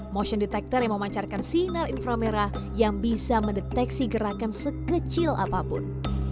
motion detector yang memancarkan sinar infra merah yang bisa mendeteksi gerakan sekecil apapun